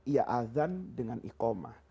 iya azan dengan ikomah